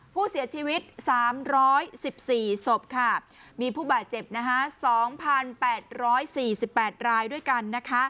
ผู้เสียชีวิต๓๑๔ศพมีผู้บาดเจ็บ๒๘๔๘รายด้วยกัน